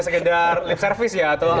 sekedar lip service ya